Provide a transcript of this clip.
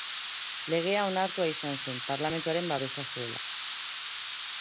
Legea onartua izan zen, parlamentuaren babesa zuela.